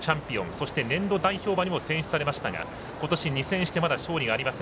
そして、年度代表馬にも選出されましたが今年２戦してまだ勝利があります。